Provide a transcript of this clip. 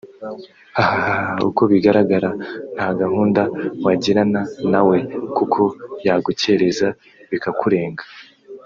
hhhh ukobigaragara ntagahunda wajyirana na we kuko yagukereza bikakaurenga